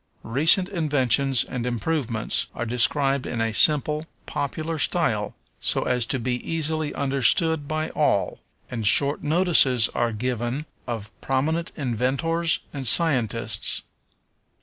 Recent inventions and improvements are described in a simple, popular style, so as to be easily understood by all, and short notices are given of prominent inventors and scientists.